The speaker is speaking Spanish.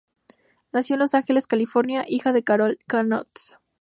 Nació en Los Ángeles, California, hija de Carol Connors.